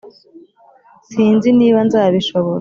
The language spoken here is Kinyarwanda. sinzi niba nzabishobora